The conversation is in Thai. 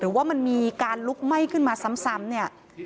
ว่ามันมีการลุกไหม้ขึ้นมาซ้ำเนี่ย